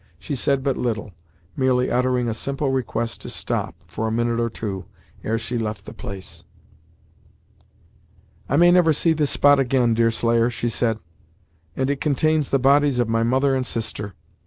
She said but little; merely uttering a simple request to stop, for a minute or two, ere she left the place. "I may never see this spot again, Deerslayer," she said, "and it contains the bodies of my mother and sister!